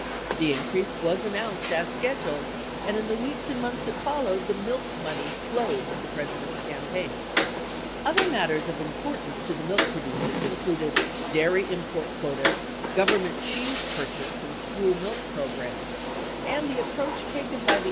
The increase was announced as scheduled, and in the weeks and months that followed the "milk money" flowed to the President's cam paign." Other matters of importance to the milk producers included dairy import quotas, Government cheese purchase and school milk programs, and the approach taken by the.